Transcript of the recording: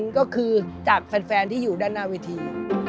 ก็คือจากแฟนที่อยู่ด้านหน้าเวที